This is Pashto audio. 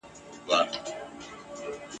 قاتل ورک دی له قاضي له عدالته ..